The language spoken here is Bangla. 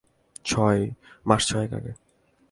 মাস ছয়েক আগে।